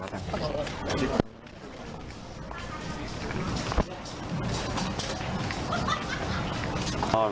ไปตรงนั้นก่อนล่ะค่ะ